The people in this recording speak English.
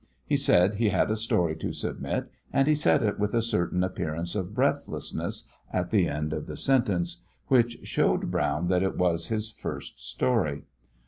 He said he had a story to submit, and he said it with a certain appearance of breathlessness at the end of the sentence, which showed Brown that it was his first story.